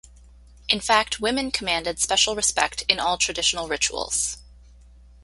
In fact women commanded special respect in all traditional rituals.